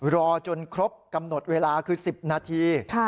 รอจนครบกำหนดเวลาคือ๑๐นาที